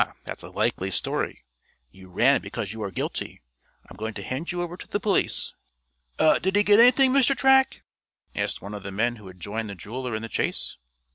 That's a likely story! You ran because you are guilty! I'm going to hand you over to the police." "Did he get anything, Mr. Track?" asked one of the men who had joined the jeweler in the chase.